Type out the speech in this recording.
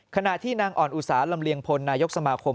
ขณะที่นางอ่อนอุตสาลำเลียงพลนายกสมาคม